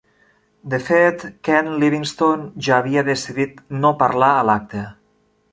De fet, Ken Livingstone ja havia decidit no parlar a l'acte.